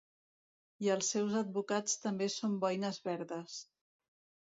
I els seus advocats també són boines verdes.